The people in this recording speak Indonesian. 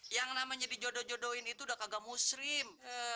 yang namanya dijodoh jodohin itu udah kagak muslim